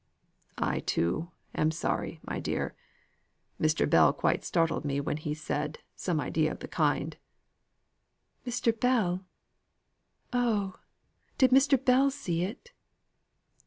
"I, too, am sorry, my dear. Mr. Bell quite startled me when he said, some idea of the kind " "Mr. Bell! Oh did Mr. Bell see it?"